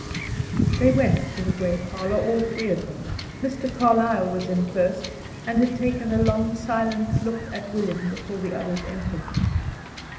They went to the gray parlor, all three of them. Mr. Carlyle was in first, and had taken a long, silent look at William before the others entered.